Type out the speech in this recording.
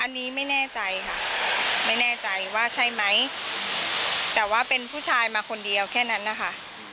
อันนี้ไม่แน่ใจค่ะไม่แน่ใจว่าใช่ไหมแต่ว่าเป็นผู้ชายมาคนเดียวแค่นั้นนะคะ